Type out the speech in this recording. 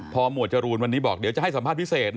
พอหมวดจรูนวันนี้บอกเดี๋ยวจะให้สัมภาษณ์พิเศษ